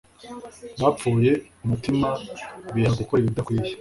Bapfuye umutima biha gukora ibidakwiye